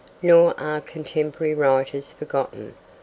Nor are contemporary writers forgotten.